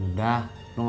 kau that justamente